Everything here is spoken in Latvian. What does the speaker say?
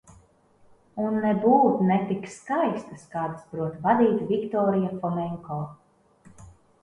Un nebūt ne tik skaistas, kādas prot radīt Viktorija Fomenko.